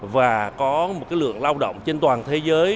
và có một lượng lao động trên toàn thế giới